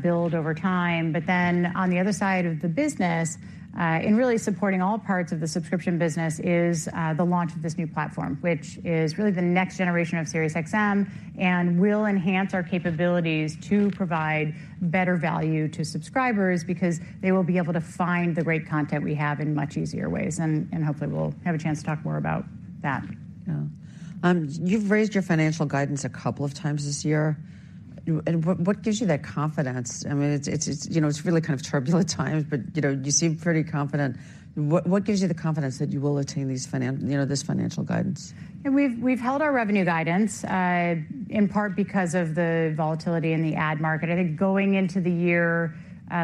build over time. But then on the other side of the business, and really supporting all parts of the subscription business is the launch of this new platform, which is really the next generation of SiriusXM and will enhance our capabilities to provide better value to subscribers because they will be able to find the great content we have in much easier ways, and hopefully we'll have a chance to talk more about that. You've raised your financial guidance a couple of times this year. What gives you that confidence? I mean it's really kind of turbulent times, but you seem pretty confident. What gives you the confidence that you will attain this financial guidance? We've held our revenue guidance in part because of the volatility in the ad market. I think going into the year,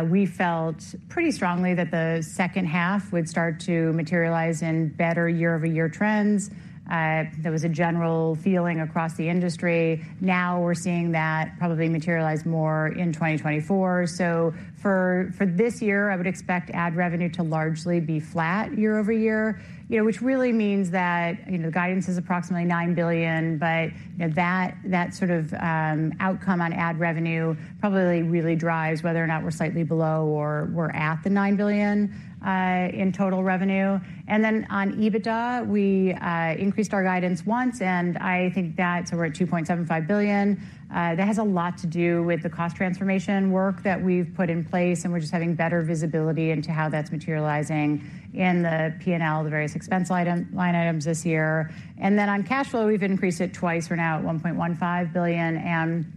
we felt pretty strongly that the second half would start to materialize in better year-over-year trends. There was a general feeling across the industry. Now we're seeing that probably materialize more in 2024. So for this year, I would expect ad revenue to largely be flat year over year. which really means that guidance is approximately $9 billion, but that sort of outcome on ad revenue probably really drives whether or not we're slightly below or we're at the $9 billion in total revenue. And then on EBITDA, we increased our guidance once, and I think that so we're at $2.75 billion. That has a lot to do with the cost transformation work that we've put in place, and we're just having better visibility into how that's materializing in the P&L, the various expense item, line items this year. And then on cash flow, we've increased it twice. We're now at $1.15 billion, and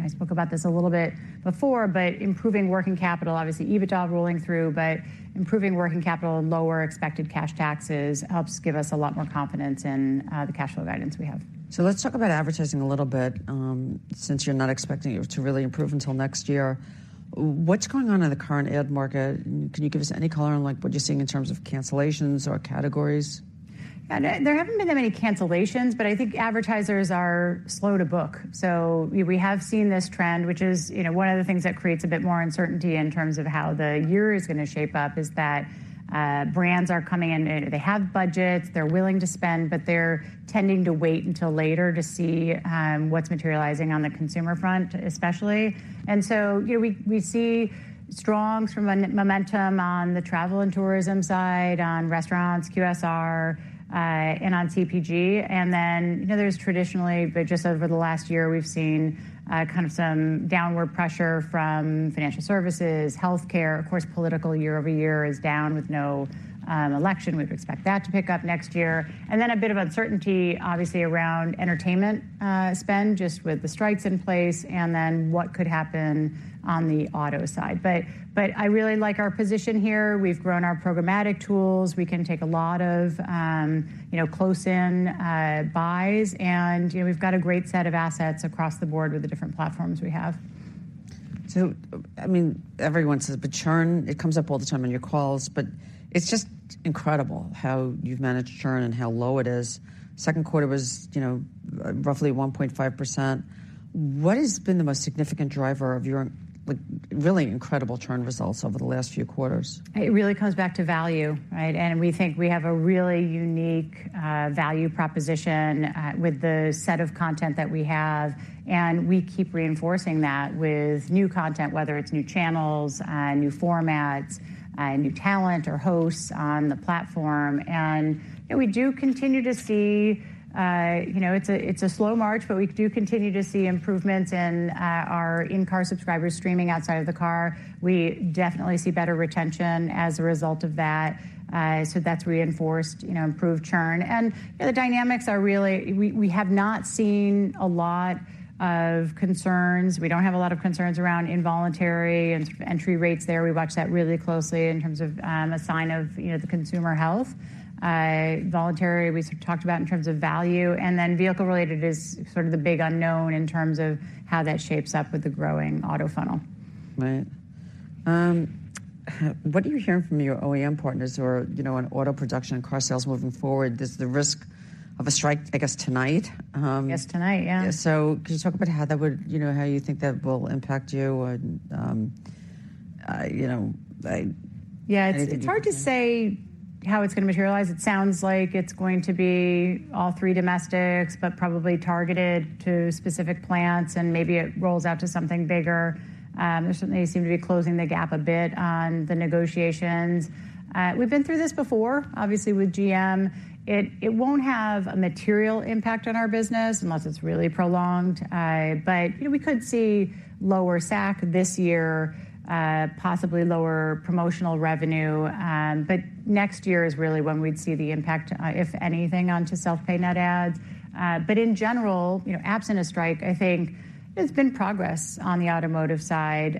I spoke about this a little bit before, but improving working capital, obviously, EBITDA rolling through. But improving working capital and lower expected cash taxes helps give us a lot more confidence in the cash flow guidance we have. So let's talk about advertising a little bit, since you're not expecting it to really improve until next year. What's going on in the current ad market? Can you give us any color on, like, what you're seeing in terms of cancellations or categories? There haven't been that many cancellations, but I think advertisers are slow to book. So we have seen this trend, which is one of the things that creates a bit more uncertainty in terms of how the year is going to shape up, is that brands are coming in. They have budgets, they're willing to spend, but they're tending to wait until later to see what's materializing on the consumer front, especially. And so we see strong from a momentum on the travel and tourism side, on restaurants, QSR, and on CPG. And then there's traditionally, but just over the last year, we've seen kind of some downward pressure from financial services, healthcare. Of course, political year-over-year is down with no election. We'd expect that to pick up next year. Then a bit of uncertainty, obviously, around entertainment spend, just with the strikes that are in place, and then what could happen on the auto side. But, but I really like our position here. We've grown our programmatic tools. We can take a lot of close-in buys, and we've got a great set of assets across the board with the different platforms we have. So, I mean, everyone says, but churn, it comes up all the time on your calls, but it's just incredible how you've managed churn and how low it is. Q2 was roughly 1.5%. What has been the most significant driver of your, like, really incredible churn results over the last few quarters? It really comes back to value, right? And we think we have a really unique value proposition with the set of content that we have, and we keep reinforcing that with new content, whether it's new channels, new formats, new talent or hosts on the platform. and we do continue to see it's a slow march, but we do continue to see improvements in our in-car subscribers streaming outside of the car. We definitely see better retention as a result of that. So that's reinforced improved churn. and the dynamics are really we have not seen a lot of concerns. We don't have a lot of concerns around involuntary and entry rates there. We watch that really closely in terms of a sign of the consumer health. Voluntary, we talked about in terms of value, and then vehicle-related is sort of the big unknown in terms of how that shapes up with the growing auto funnel. Right. What are you hearing from your OEM partners or on auto production and car sales moving forward? There's the risk of a strike, I guess, tonight. Yes, tonight. Can you talk about how you think that will impact you and I- It's hard to say how it's going to materialize. It sounds like it's going to be all three domestics, but probably targeted to specific plants, and maybe it rolls out to something bigger. They certainly seem to be closing the gap a bit on the negotiations. We've been through this before, obviously, with GM. It won't have a material impact on our business unless it's really prolonged. but we could see lower SAC this year, possibly lower promotional revenue, but next year is really when we'd see the impact, if anything, onto self-pay net adds. But in general absent a strike, I think there's been progress on the automotive side.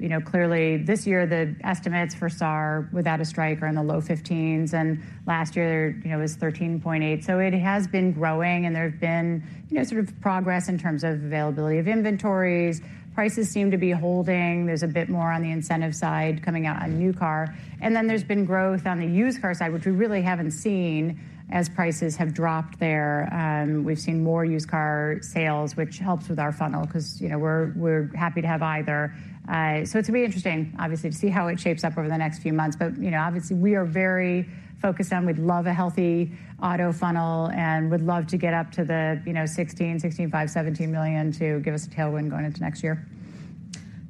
You know, clearly, this year, the estimates for SAR without a strike are in the low 15s, and last year it was 13.8. So it has been growing, and there have been sort of progress in terms of availability of inventories. Prices seem to be holding. There's a bit more on the incentive side coming out on new car, and then there's been growth on the used car side, which we really haven't seen as prices have dropped there. We've seen more used car sales, which helps with our funnel because we're, we're happy to have either. So it's going to be interesting, obviously, to see how it shapes up over the next few months. You know, obviously, we are very focused on we'd love a healthy auto funnel and would love to get up to the 16, 16.5, 17 million to give us a tailwind going into next year.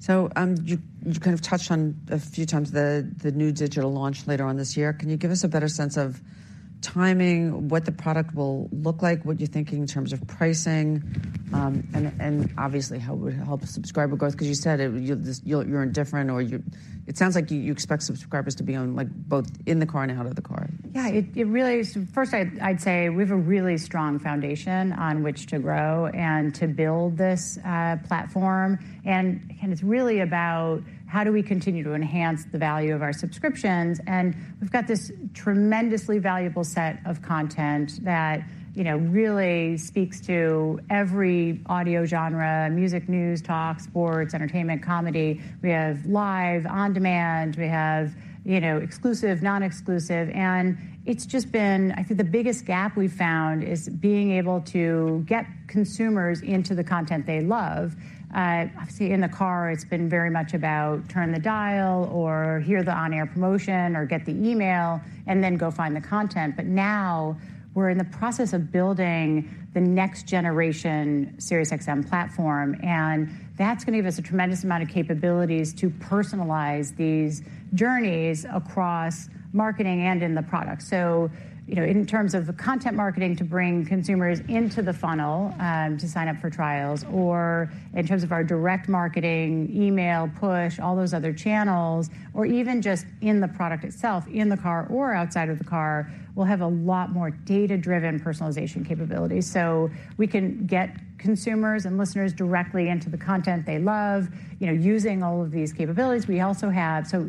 So, you kind of touched on a few times the new digital launch later on this year. Can you give us a better sense of timing, what the product will look like, what you're thinking in terms of pricing, and obviously, how it would help subscriber growth? Because you said it, you're indifferent or you-- it sounds like you expect subscribers to be on, like, both in the car and out of the car. It really is. First I'd say we have a really strong foundation on which to grow and to build this platform. And it's really about how do we continue to enhance the value of our subscriptions. And we've got this tremendously valuable set of content that really speaks to every audio genre, music, news, talks, sports, entertainment, comedy. We have live, on-demand, we have exclusive, non-exclusive. And it has just been a challenge to. I think the biggest gap we've found is being able to get consumers into the content they love. Obviously, in the car, it's been very much about turn the dial or hear the on-air promotion or get the email and then go find the content. But now we're in the process of building the next generation SiriusXM platform, and that's going to give us a tremendous amount of capabilities to personalize these journeys across marketing and in the product. so in terms of the content marketing to bring consumers into the funnel, to sign up for trials or in terms of our direct marketing, email, push, all those other channels, or even just in the product itself, in the car or outside of the car, we'll have a lot more data-driven personalization capabilities. So we can get consumers and listeners directly into the content they love using all of these capabilities. So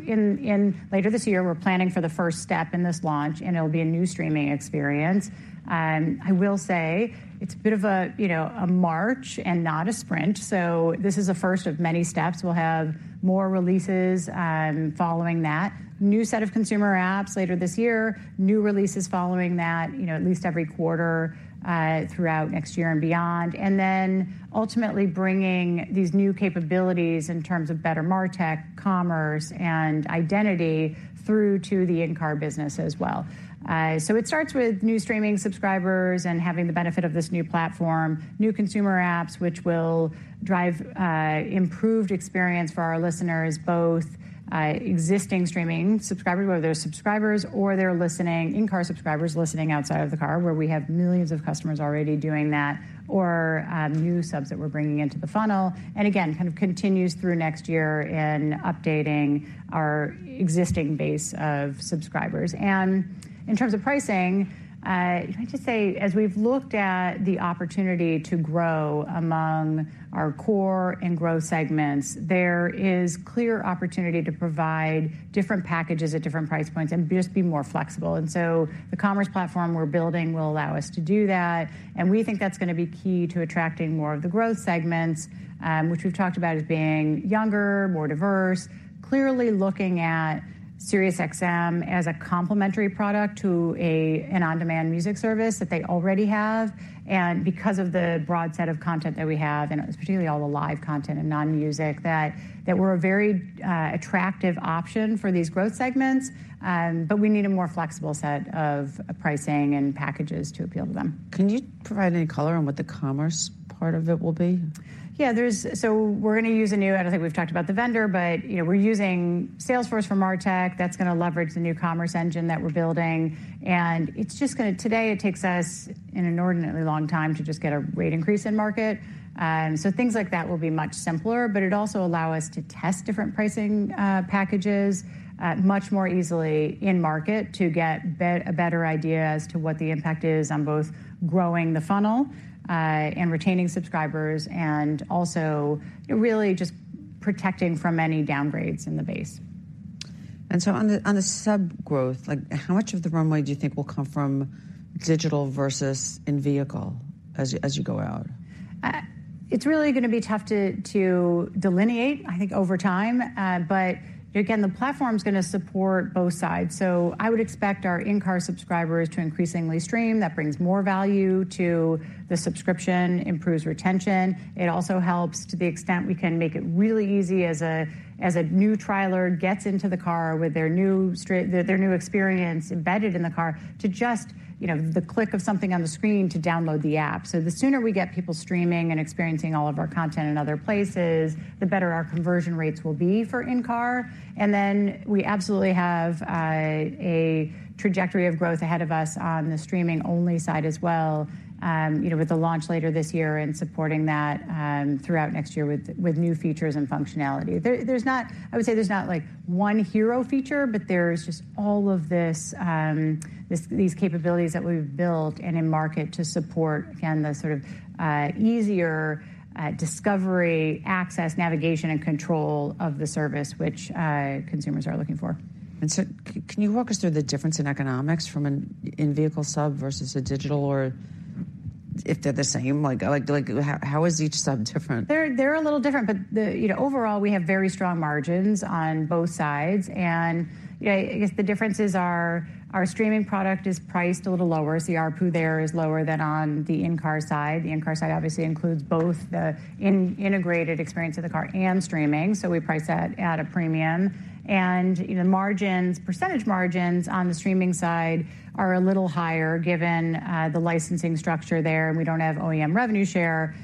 in later this year, we're planning for the first step in this launch, and it'll be a new streaming experience. I will say it's a bit of a march and not a sprint. So this is the first of many steps. We'll have more releases following that. New set of consumer apps later this year, new releases following that at least every quarter throughout next year and beyond. And then ultimately bringing these new capabilities in terms of better martech, commerce, and identity through to the in-car business as well. So it starts with new streaming subscribers and having the benefit of this new platform, new consumer apps, which will drive improved experience for our listeners, both existing streaming subscribers, whether they're subscribers or they're listening, in-car subscribers listening outside of the car, where we have millions of customers already doing that, or new subs that we're bringing into the funnel. Again, kind of continues through next year in updating our existing base of subscribers. In terms of pricing, I'd just say, as we've looked at the opportunity to grow among our core and growth segments, there is clear opportunity to provide different packages at different price points and just be more flexible. So the commerce platform we're building will allow us to do that, and we think that's going to be key to attracting more of the growth segments, which we've talked about as being younger, more diverse, clearly looking at SiriusXM as a complementary product to a, an on-demand music service that they already have. Because of the broad set of content that we have, and it was particularly all the live content and non-music, that we're a very attractive option for these growth segments, but we need a more flexible set of pricing and packages to appeal to them. Can you provide any color on what the commerce part of it will be? So we're going to use a new. I don't think we've talked about the vendor, but we're using Salesforce for martech. That's going to leverage the new commerce engine that we're building, and it's just gonna today it takes us an inordinately long time to just get a rate increase in market. So things like that will be much simpler, but it'll also allow us to test different pricing packages much more easily in market to get a better idea as to what the impact is on both growing the funnel and retaining subscribers, and also really just protecting from any downgrades in the base. So on the sub growth, like, how much of the runway do you think will come from digital versus in-vehicle as you go out? It's really going to be tough to delineate, I think, over time. But again, the platform's going to support both sides. So I would expect our in-car subscribers to increasingly stream. That brings more value to the subscription, improves retention. It also helps to the extent we can make it really easy as a new trialer gets into the car with their new experience embedded in the car to just the click of something on the screen to download the app. So the sooner we get people streaming and experiencing all of our content in other places, the better our conversion rates will be for in-car. And then we absolutely have a trajectory of growth ahead of us on the streaming-only side as well with the launch later this year and supporting that, throughout next year with new features and functionality. There's not—I would say there's not, like, one hero feature, but there's just all of this, these capabilities that we've built and in market to support, again, the sort of easier discovery, access, navigation, and control of the service which consumers are looking for. Can you walk us through the difference in economics from an in-vehicle sub versus a digital, or if they're the same? Like, how is each sub different? They're a little different, but overall, we have very strong margins on both sides. I guess the difference is our streaming product is priced a little lower, so the ARPU there is lower than on the in-car side. The in-car side obviously includes both the integrated experience of the car and streaming, so we price that at a premium. and margins, percentage margins on the streaming side are a little higher, given the licensing structure there. We don't have OEM revenue share.